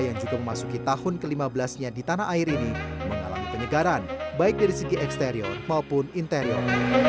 yang juga memasuki tahun ke lima belas nya di tanah air ini mengalami penyegaran baik dari segi eksterior maupun interior